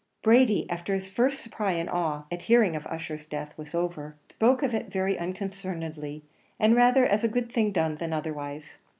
Brady, after his first surprise and awe at hearing of Ussher's death was over, spoke of it very unconcernedly, and rather as a good thing done than otherwise.